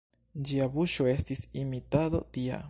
Ĝia buŝo estis imitado tia.